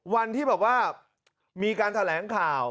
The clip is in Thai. วันที่มีการแถลงข่าว